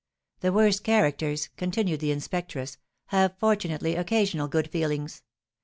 "The worst characters," continued the inspectress, "have, fortunately, occasional good feelings.